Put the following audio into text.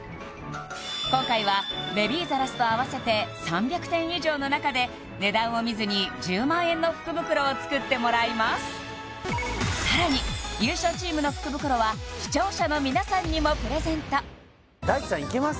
今回はベビーザらスと合わせて３００点以上の中で値段を見ずに１０万円の福袋を作ってもらいますさらに優勝チームの福袋は視聴者の皆さんにもプレゼント大地さんいけます？